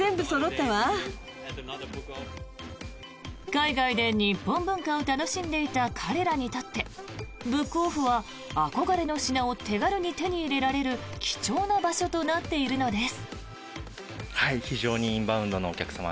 海外で日本文化を楽しんでいた彼らにとってブックオフは憧れの品を手軽に手に入れられる貴重な場所となっているのです。